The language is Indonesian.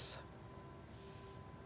terima kasih banyak